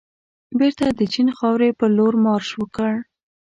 بېرته د چین خاورې پرلور مارش وکړ.